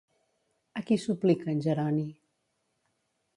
A qui suplica en Jeroni?